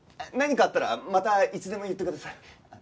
何かあったらまたいつでも言ってください。